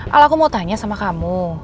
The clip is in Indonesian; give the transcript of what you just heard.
kalau aku mau tanya sama kamu